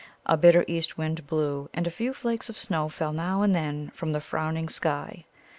A bitter east wind blew, and a few flakes of snow fell now and then from the frowning sky.